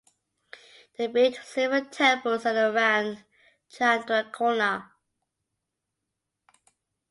They built several temples in and around Chandrakona.